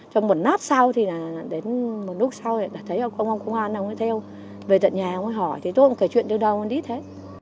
trong một nát sau thì là đến một lúc sau thì thấy ông ông công an ông ấy theo về tận nhà ông ấy hỏi thế tôi cũng kể chuyện như đâu cũng đi thế